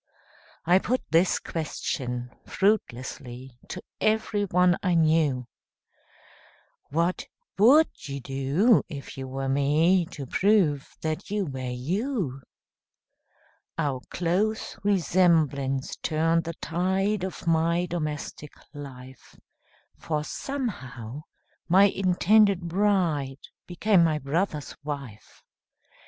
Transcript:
I put this question, fruitlessly, To everyone I knew, "What would you do, if you were me, To prove that you were you?" Our close resemblance turned the tide Of my domestic life, For somehow, my intended bride Became my brother's wife.